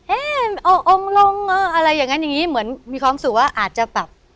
เอ๊ะเอาองค์ลงเอออะไรอย่างนั้นอย่างนี้เหมือนมีความสุขว่าอาจจะแบบ